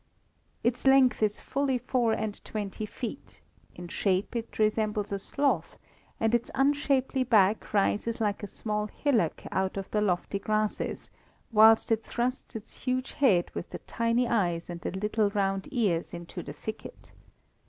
Its length is fully four and twenty feet; in shape it resembles a sloth, and its unshapely back rises like a small hillock out of the lofty grasses whilst it thrusts its huge head with the tiny eyes and the little round ears into the thicket.